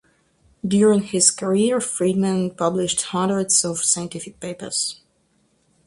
During his career Friedman published hundreds of scientific papers.